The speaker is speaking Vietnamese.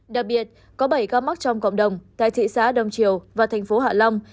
đặc biệt có bảy ca mắc trong cộng đồng tại thị xã đông triều và thành phố hạ long